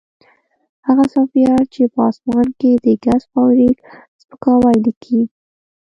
هغه سافټویر چې په اسمان کې د ګس فارویک سپکاوی لیکي